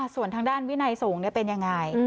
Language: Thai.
ส่วนทางด้านวินัยสงฆ์เป็นยังไง